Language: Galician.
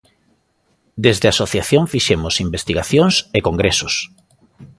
Desde a Asociación fixemos investigacións e congresos.